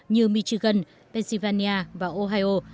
như michigan pennsylvania và ohio